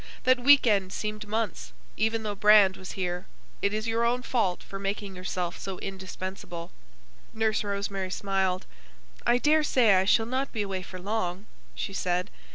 That week end seemed months, even though Brand was here. It is your own fault for making yourself so indispensable." Nurse Rosemary smiled. "I daresay I shall not be away for long," she said.